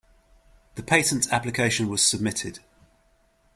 The patent application was submitted.